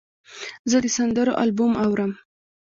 زه د سندرو البوم اورم.